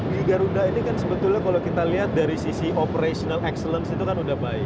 di garuda ini kan sebetulnya kalau kita lihat dari sisi operational excellence itu kan udah baik